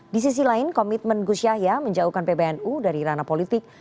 di sisi lain komitmen gus yahya menjauhkan pbnu dari ranah politik